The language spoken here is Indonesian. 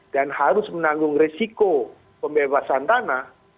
dan harus menanggung risiko pembebasan tanah